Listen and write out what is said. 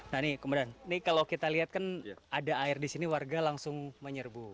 nah ini kemudian ini kalau kita lihat kan ada air di sini warga langsung menyerbu